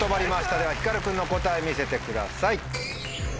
ではひかる君の答え見せてください。